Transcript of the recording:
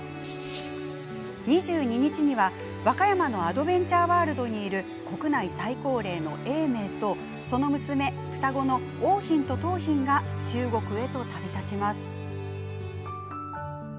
２２日には、和歌山のアドベンチャーワールドにいる国内最高齢の永明とその娘、双子の桜浜と桃浜が中国へと旅立ちます。